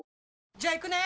じゃあ行くね！